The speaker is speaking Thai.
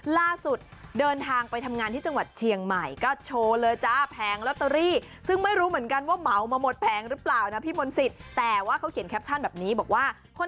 ล่าสุดเดินทางไปทำงานที่จังหวัดเฉียงใหม่ก็โชว์เลยจ้า